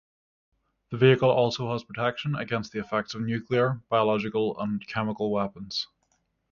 The vehicle also has protection against the effects of nuclear, biological and chemical weapons.